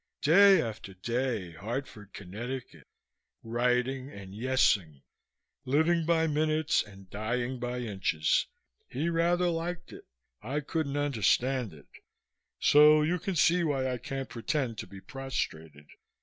Day after day, Hartford, Connecticut, writing and yessing, living by minutes and dying by inches. He rather liked it. I couldn't understand it. So you can see why I can't pretend to be prostrated.